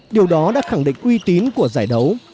điều đó đã khẳng định uy tín của giải đấu